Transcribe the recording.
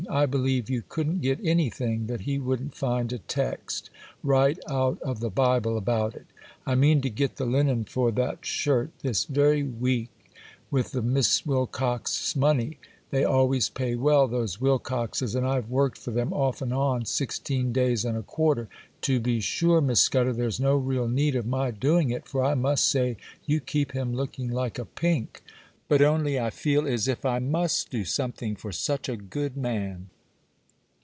I believe you couldn't get anything, that he wouldn't find a text right out of the Bible about it. I mean to get the linen for that shirt this very week, with the Miss Wilcox's money; they always pay well, those Wilcoxes,—and I've worked for them, off and on, sixteen days and a quarter. To be sure, Miss Scudder, there's no real need of my doing it, for I must say you keep him looking like a pink; but only I feel as if I must do something for such a good man.